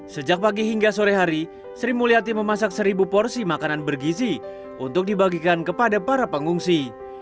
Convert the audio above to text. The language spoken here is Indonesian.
sejak pagi hingga sore hari sri mulyati memasak seribu porsi makanan bergizi untuk dibagikan kepada para pengungsi